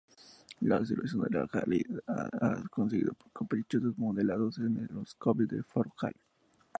La disolución de la caliza ha conseguido caprichosos moldeados en ""Les Coves del Forcall"".